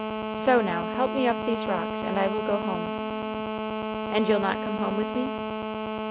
So now help me up these rocks, and I will go home." "And you'll not come home with me?"